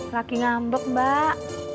lagi ngambek mbak